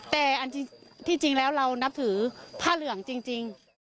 แต่อันที่จริงแล้วเรานับถือผ้าเหลืองจริง